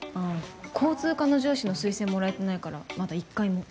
交通課の上司の推薦もらえてないからまだ一回も。